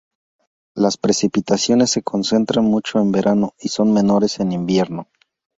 Las precipitaciones se concentran mucho en verano y son menores en invierno.